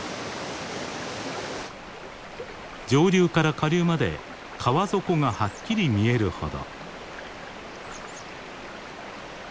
上流から下流まで川底がはっきり見えるほど。